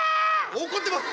怒ってます！